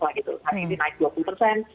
lah gitu hari ini naik dua puluh persen